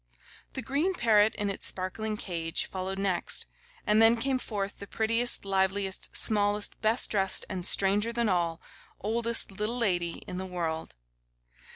The green parrot, in its sparkling cage, followed next, and then came forth the prettiest, liveliest, smallest, best dressed, and, stranger than all, oldest little lady in the world.